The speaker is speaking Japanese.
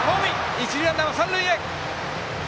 一塁ランナーは三塁へ！